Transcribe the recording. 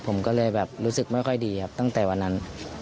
ผมก็เลยแบบรู้สึกไม่ค่อยดีครับตั้งแต่วันนั้น